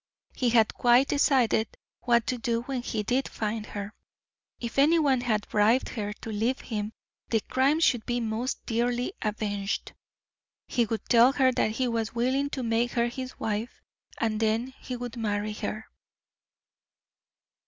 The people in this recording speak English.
He had quite decided what to do when he did find her. If any one had bribed her to leave him, the crime should be most dearly avenged. He would tell her that he was willing to make her his wife, and then he would marry her.